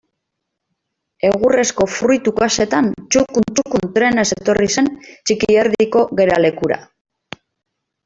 Egurrezko fruitu kaxetan txukun-txukun trenez etorri zen Txikierdiko geralekura.